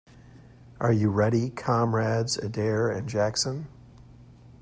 Are you ready, Comrades Adair and Jackson?